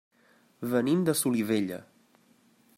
Venim de Solivella.